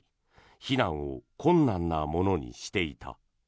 避難を困難なものにしていた。